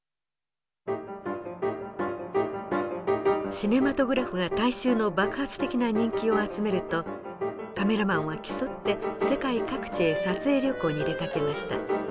シネマトグラフが大衆の爆発的な人気を集めるとカメラマンは競って世界各地へ撮影旅行に出かけました。